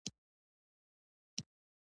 نجلۍ ارامه ده.